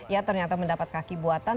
ya ternyata mendapat kaki buatan